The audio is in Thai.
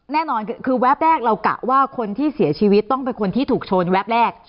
แน่นอนคือแวบแรกเรากะว่าคนที่เสียชีวิตต้องเป็นคนที่ถูกชนแวบแรก